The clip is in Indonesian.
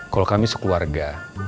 kalau kami sekeluarga